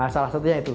salah satunya itu